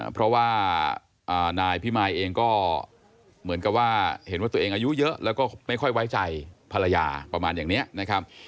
เพราะว่านายพิมายเองก็เหมือนกับว่าเห็นว่าตัวเองอายุเยอะแล้วก็ไม่ค่อยไว้ใจภรรยาประมาณอย่างนี้นะครับ